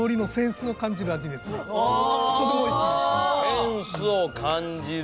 センスを感じる味。